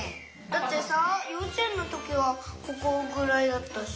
だってさようちえんのときはここぐらいだったし。